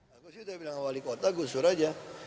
aku sih udah bilang wali kota gusur aja